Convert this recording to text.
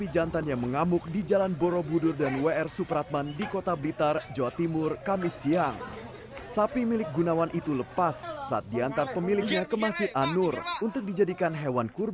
jangan lupa like share dan subscribe channel ini